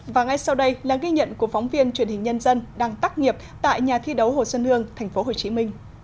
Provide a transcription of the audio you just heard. và ngay sau đây là ghi nhận của phóng viên truyền hình nhân dân đang tắc nghiệp tại nhà thi đấu hồ sơn hương tp hcm